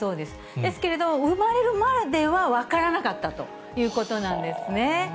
ですけれども、産まれるまでは分からなかったということなんですね。